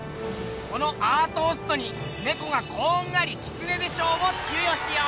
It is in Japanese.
このアートーストに「ネコがこんがりキツネで賞」を授与しよう！